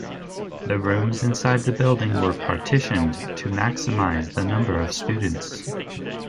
The rooms inside the building were partitioned to maximize the number of students.